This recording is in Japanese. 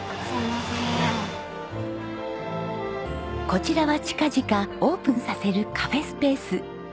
こちらは近々オープンさせるカフェスペース。